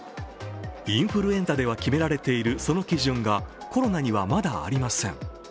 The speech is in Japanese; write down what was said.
インフルエンザでは決められている、その基準がコロナには、まだありません。